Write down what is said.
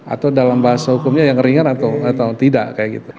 atau dalam bahasa hukumnya yang ringan atau tidak kayak gitu